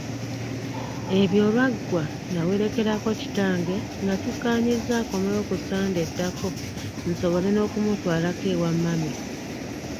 Ebyo olwaggwa nnawerekerako kitange nga tukkaanyizza akomewo ku ssande eddako nsobole n'okumutwalako ewa mami.